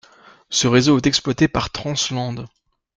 Ce réseau est exploité par Trans-Landes.